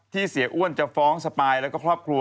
เสียอ้วนจะฟ้องสปายแล้วก็ครอบครัว